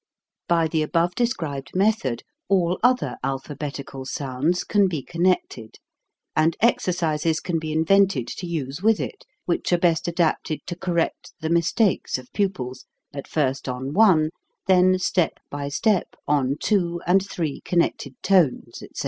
By the above described method all other CONNECTION OF VOWELS 215 alphabetical sounds can be connected, and exercises can be invented to use with it, which are best adapted to correct the mistakes of pupils, at first on one, then step by step on two and three connected tones, etc.